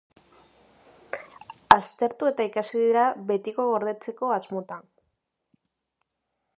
Aztertu eta ikasi dira, betiko gordetzeko asmotan.